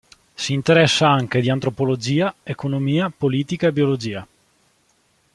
Si interessa anche di antropologia, economia politica e biologia.